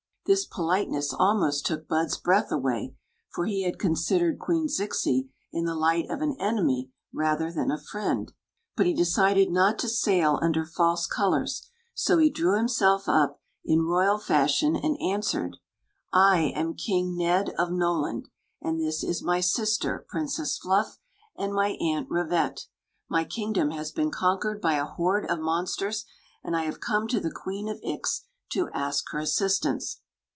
Thb pel^ess almoftt took Bikl s breath wmy, (or he hmi considered Queen Zixi in the h'ght of an enemy rather th ^ a friend; but he decided not to ail un ler fafs* colors, so he drew himself up ji royal iashion, ano ns^^ red: "1 am Ka^ h i of Noland, and ^ is my sitter, I^ice^ FMT, ^nd my Aunt Rivette. My kingdom 1» he' o nquered by a hord of monsters, and I t ne to the Queen of Ix to ask her assistance."